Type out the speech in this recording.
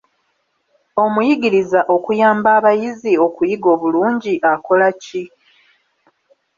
Omuyigiriza okuyamba abayizi okuyiga obulungi, akola ki?